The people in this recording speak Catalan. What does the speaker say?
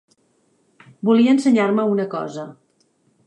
Volia ensenyar-me una cosa.